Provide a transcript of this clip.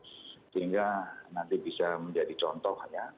sehingga nanti bisa menjadi contoh ya